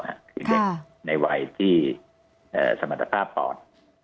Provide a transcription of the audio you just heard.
คือเด็กในวัยที่สมรรถภาพปอด